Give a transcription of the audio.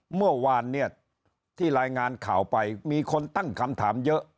เมื่อวานเนี่ยที่รายงานข่าวไปมีคนตั้งคำถามเยอะ